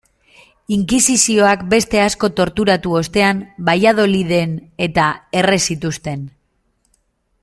Inkisizioak beste asko torturatu ostean Valladoliden-eta erre zituzten.